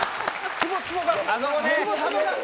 ツボツボがって。